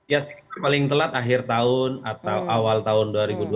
ya paling telat akhir tahun atau awal tahun dua ribu dua puluh